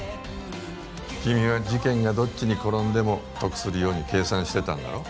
君は事件がどっちに転んでも得するように計算してたんだろ？